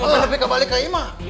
lebih kebalik ke ima